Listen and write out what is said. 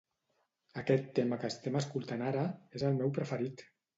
Aquest tema que estem escoltant ara és el meu preferit.